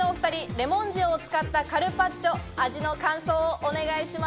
レモン塩を使ったカルパッチョ味の感想をお願いします。